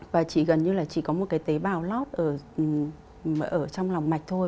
và chỉ gần như là chỉ có một cái tế bào lót ở trong lòng mạch thôi